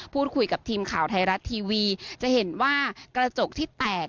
พูดคุยกับทีมข่าวไทยรัฐทีวีจะเห็นว่ากระจกที่แตก